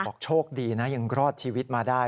โชคดีนะยังรอดชีวิตมาได้